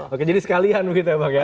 oke jadi sekalian begitu ya bang ya